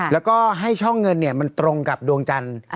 แล้วก็ให้ช่องเงินมันตรงกับดวงจันทร์